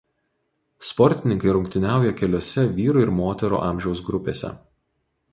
Sportininkai rungtyniauja keliose vyrų ir moterų amžiaus grupėse.